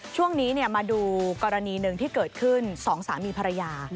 ช่วงนี้มาดูกรณีหนึ่งที่เกิดขึ้นสองสามีภรรยา